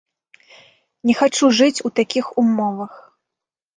Не хачу жыць у такіх умовах.